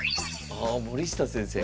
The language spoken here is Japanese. ああ森下先生か。